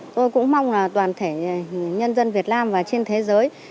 tôi cũng mong là toàn thể nhân dân việt nam và trên thế giới